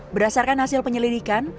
berdasarkan hasil penyelidikan